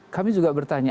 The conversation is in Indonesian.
kami juga bertanya